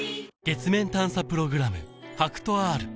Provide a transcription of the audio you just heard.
月面探査プログラム